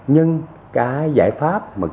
nhưng cái giải pháp